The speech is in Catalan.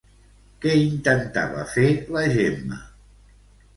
Què intentava fer la Gemma?